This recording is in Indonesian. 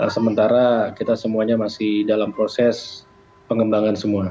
sementara kita semuanya masih dalam proses pengembangan semua